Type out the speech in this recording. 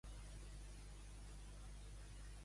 Quin conjunt de déus eren adorats a Tebes?